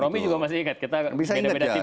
romy juga masih ingat